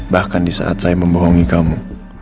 bahkan disaat saya memborongi kamu